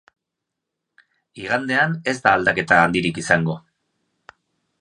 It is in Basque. Igandean ez da aldaketa handirik izango.